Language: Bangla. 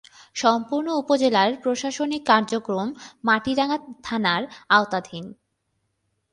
সম্পূর্ণ উপজেলার প্রশাসনিক কার্যক্রম মাটিরাঙ্গা থানার আওতাধীন।